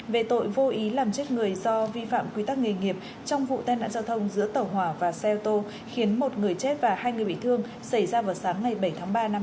về tội vô ý làm chết người do vi phạm quy tắc nghề nghiệp trong vụ tai nạn giao thông giữa tàu hỏa và xe ô tô khiến một người chết và hai người bị thương xảy ra vào sáng ngày bảy tháng ba năm hai nghìn hai mươi